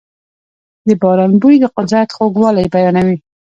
د باران بوی د قدرت خوږوالی بیانوي.